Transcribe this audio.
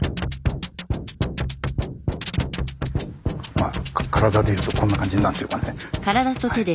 まあ体でいうとこんな感じになるんでしょうかね。